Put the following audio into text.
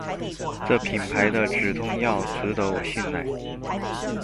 這品牌的止痛藥值得我信賴